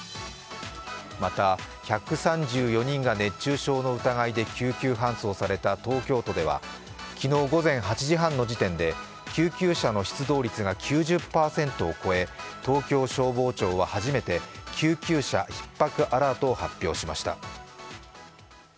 また、１３４人が熱中症の疑いで救急搬送された東京都では昨日午前８時半の時点で救急車の出動率が９０％を超え東京消防庁は初めて救急車ひっ迫アラートを発表しました。